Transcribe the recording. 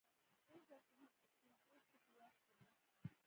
پوځ او پولیس د سپین پوستو په لاس کې و.